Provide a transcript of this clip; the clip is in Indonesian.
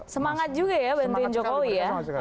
semangat juga ya bantuin jokowi ya